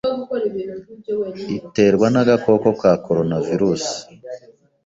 iterwa n’agakoko ka Coronavirus.